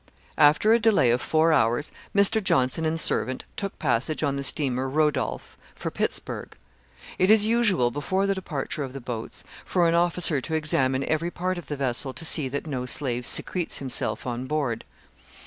After a delay of four hours, Mr. Johnson and servant took passage on the steamer Rodolph, for Pittsburgh. It is usual, before the departure of the boats, for an officer to examine every part of the vessel to see that no slave secretes himself on board.